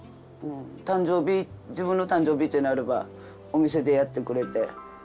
誕生日自分の誕生日ってなればお店でやってくれて。